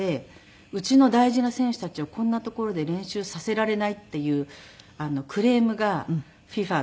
うちの大事な選手たちをこんな所で練習させられないっていうクレームがＦＩＦＡ